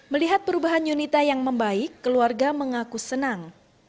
melihat perubahan yunita yang membaik keluarga mengaku senang